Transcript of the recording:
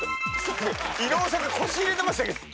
伊野尾さんが腰入れてました。